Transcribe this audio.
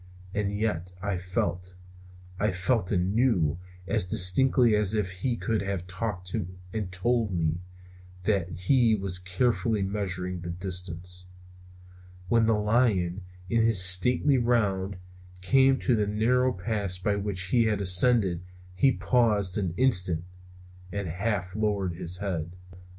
And yet I felt, I felt and knew, as distinctly as if he could have talked and told me, that he was carefully measuring the distance. When the lion, in his stately round, came to the narrow pass by which he had ascended he paused an instant, and half lowered his head.